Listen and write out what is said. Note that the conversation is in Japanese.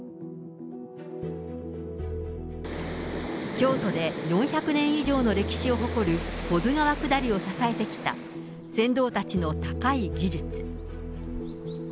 京都で４００年以上の歴史を誇る、保津川下りを支えてきた船頭たちの高い技術。